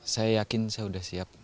saya yakin saya sudah siap